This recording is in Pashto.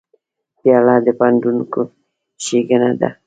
پیاله د پندونو ښیګڼه ده.